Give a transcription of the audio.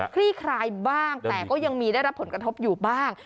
ลี่คลายบ้างแต่ก็ยังมีได้รับผลกระทบอยู่บ้าง